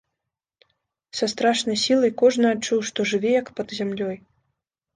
Са страшнай сілай кожны адчуў, што жыве як пад зямлёй.